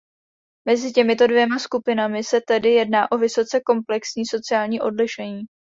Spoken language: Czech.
Mezi těmito dvěma skupinami se tedy jedná o vysoce komplexní sociální odlišení.